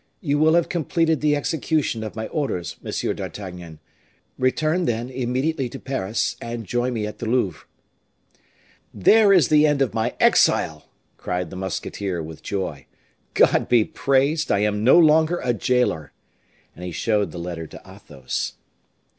"you will have completed the execution of my orders, Monsieur d'Artagnan; return, then, immediately to Paris, and join me at the Louvre." "There is the end of my exile!" cried the musketeer with joy; "God be praised, I am no longer a jailer!" And he showed the letter to Athos.